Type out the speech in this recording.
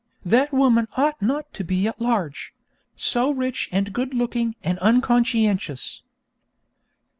That woman ought not to be at large so rich and good looking and unconscientious!